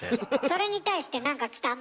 それに対して何か来た？